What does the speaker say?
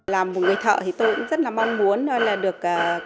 là một người thợ thì tôi cũng rất là mong muốn được cái nghề